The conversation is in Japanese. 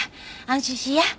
安心しいや。